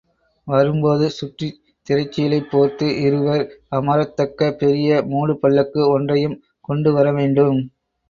வரும்போது சுற்றித் திரைச்சீலை போர்த்து இருவர் அமரத்தக்க பெரிய மூடுபல்லக்கு ஒன்றையும் கொண்டு வரவேண்டும்.